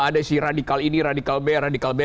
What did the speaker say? ada si radikal ini radikal b radikal b